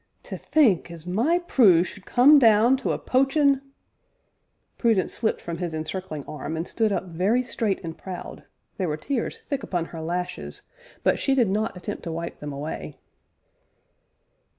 To think as my Prue should come down to a poachin' " Prudence slipped from his encircling arm and stood up very straight and proud there were tears thick upon her lashes, but she did not attempt to wipe them away.